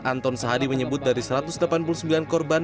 anton sahadi menyebut dari satu ratus delapan puluh sembilan korban